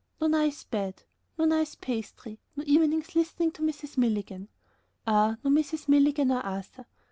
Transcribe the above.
No nice bed, no nice pastry, no evenings listening to Mrs. Milligan. Ah! no Mrs. Milligan or Arthur!